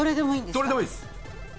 どれでもいいです。